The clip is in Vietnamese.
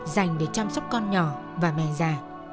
dành để chăm sóc con nhỏ và mẹ già